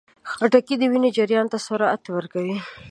خټکی د وینې جریان ته سرعت ورکوي.